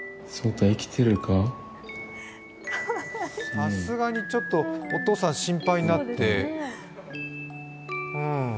さすがにちょっと、お父さん心配になって、うん。